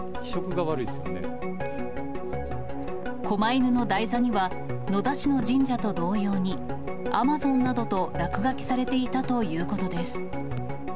こま犬の台座には、野田市の神社と同様に、Ａｍａｚｏｎなどと落書きされていたということです。